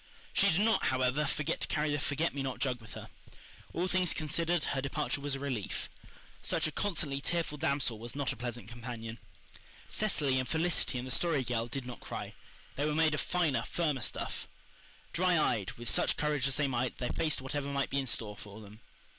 She did not, however, forget to carry the forget me not jug with her. All things considered, her departure was a relief. Such a constantly tearful damsel was not a pleasant companion. Cecily and Felicity and the Story Girl did not cry. They were made of finer, firmer stuff. Dry eyed, with such courage as they might, they faced whatever might be in store for them.